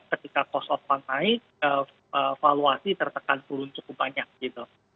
ketika cost of fund naik valuasi tertekan turun cukup banyak gitu